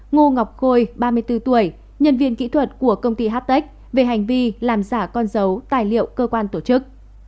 ngô ngọc khôi ba mươi bốn tuổi nhân viên kỹ thuật của công ty hatech về hành vi làm giả con dấu tài liệu cơ quan tổ chức